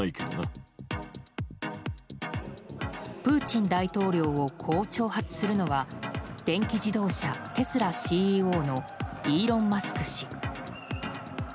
プーチン大統領をこう挑発するのは電気自動車テスラＣＥＯのイーロン・マスク氏。